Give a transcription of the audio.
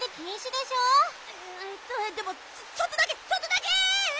でもちょっとだけちょっとだけ！